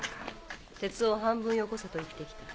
鉄を半分よこせと言ってきた。